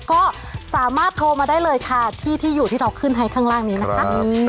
ก็สามารถโทรมาได้เลยค่ะที่ที่อยู่ที่เราขึ้นให้ข้างล่างนี้นะคะ